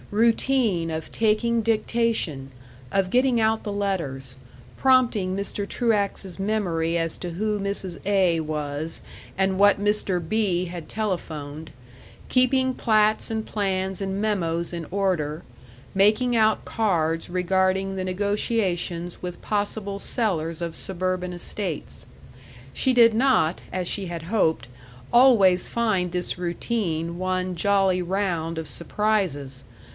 Routine of taking dictation, of getting out the letters, prompting Mr. Truax's memory as to who Mrs. A was, and what Mr. B had telephoned, keeping plats and plans and memoes in order, making out cards regarding the negotiations with possible sellers of suburban estates. She did not, as she had hoped, always find this routine one jolly round of surprises.